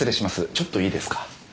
ちょっといいですか？